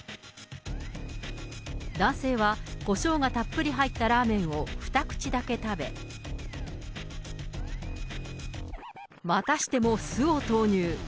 男性はコショウがたっぷり入ったラーメンを２口だけ食べ、またしても酢を投入。